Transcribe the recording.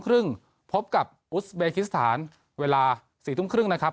ครึ่งพบกับอุสเบคิสถานเวลา๔ทุ่มครึ่งนะครับ